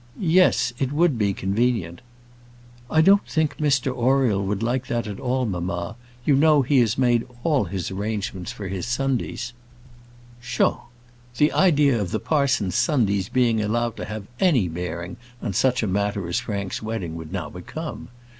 "Yes; it would be convenient." "I don't think Mr Oriel would like that at all, mamma. You know he has made all his arrangements for his Sundays " Pshaw! The idea of the parson's Sundays being allowed to have any bearing on such a matter as Frank's wedding would now become!